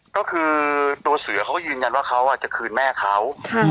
ว่ามุฒิแนวตัวเสือมึงแว่นว่าเขาขืนแม่เขา